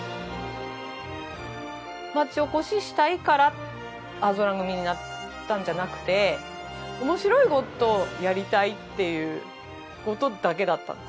町おこししたいからあおぞら組になったんじゃなくて面白いことをやりたいっていうことだけだったんです。